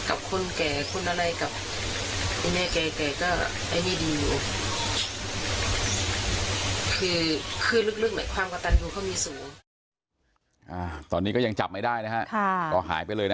กับคนแก่คนอะไรกับไอ้แม่แก่แก่ก็ไอ้นี่ดีอยู่